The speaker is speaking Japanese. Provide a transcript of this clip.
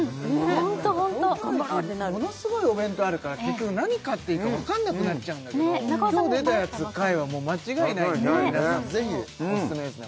ホントホント東京駅ものすごいお弁当あるから結局何買っていいかわかんなくなっちゃうんだけど今日出たやつ買えばもう間違いないねぜひおすすめですね